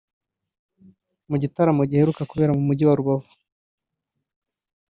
Mu gitaramo giheruka kubera mu Mujyi wa Rubavu